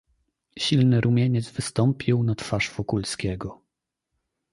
"Silny rumieniec wystąpił na twarz Wokulskiego."